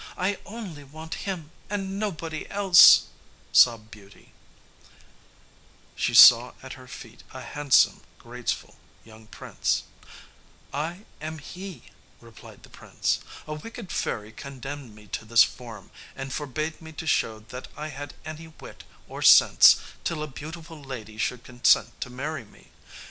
I only want him and nobody else," sobbed Beauty. [Illustration: She saw at her feet a handsome, graceful young prince] "I am he," replied the prince. "A wicked fairy condemned me to this form, and forbade me to show that I had any wit or sense till a beautiful lady should consent to marry me.